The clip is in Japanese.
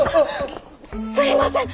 すみません。